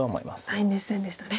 大熱戦でしたね。